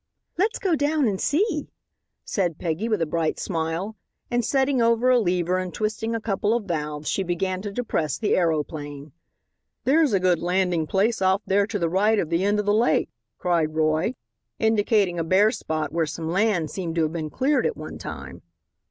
"Let's go down and see," said Peggy, with a bright smile, and setting over a lever and twisting a couple of valves she began to depress the aeroplane. "There's a good landing place off there to the right of the end of the lake," cried Roy, indicating a bare spot where some land seemed to have been cleared at one time.